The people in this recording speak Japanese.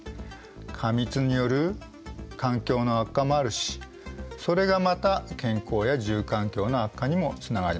過密による環境の悪化もあるしそれがまた健康や住環境の悪化にもつながります。